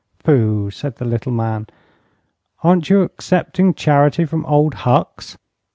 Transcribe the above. "Phoo!" said the little man; "aren't you accepting charity from Old Hucks?"